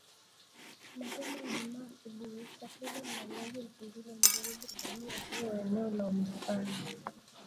Mapema Ijumaa asubuhi takribani wahamiaji elfu mbili walijaribu kuvamia uzio wa eneo la Uhispania